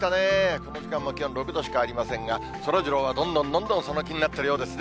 この時間も気温６度しかありませんが、そらジローは、どんどんどんどんその気になってるようですね。